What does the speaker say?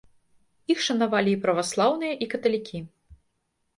Іх шанавалі і праваслаўныя, і каталікі.